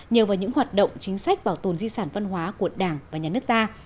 nhờ vào những hoạt động chính sách bảo tồn di sản văn hóa của đảng và nhà nước ta